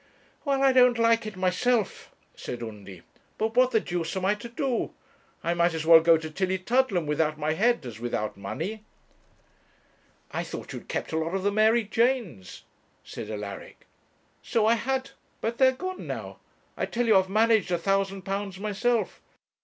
'Well, I don't like it myself,' said Undy; 'but what the deuce am I to do? I might as well go to Tillietudlem without my head as without money.' 'I thought you'd kept a lot of the Mary Janes,' said Alaric. 'So I had, but they're gone now. I tell you I've managed £1,000 myself.